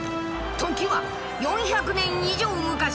時は４００年以上昔。